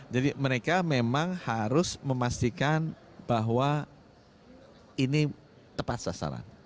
jadi mereka memang harus memastikan bahwa ini tepat sasaran